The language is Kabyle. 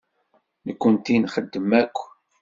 Nekkenti nxeddem akk.